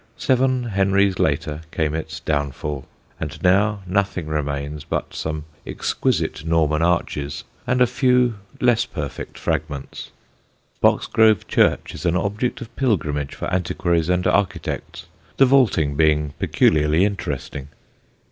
Seven Henries later came its downfall, and now nothing remains but some exquisite Norman arches and a few less perfect fragments. Boxgrove church is an object of pilgrimage for antiquaries and architects, the vaulting being peculiarly interesting.